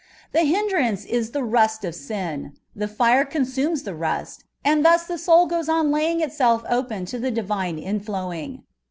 The hindrance* is the rust of sin ; the fire consumes the rust, and thus the soul goes on laying itself open to the Divine inflowing.